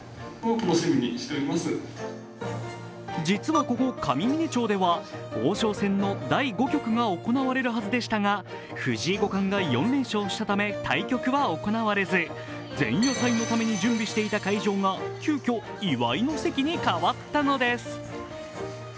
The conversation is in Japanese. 実はここ上峰町では王将戦の第５局が行われるはずでしたが、藤井五冠が４連勝したため対局は行われず前夜祭のために準備していた会場が急きょ、祝いの席に変わったのです。